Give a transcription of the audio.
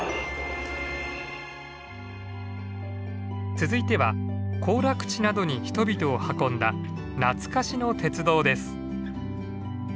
続いては行楽地などに人々を運んだ懐かしの鉄道です。